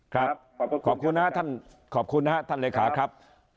ครับขอบคุณนะฮะท่านขอบคุณนะฮะท่านเหลขาครับ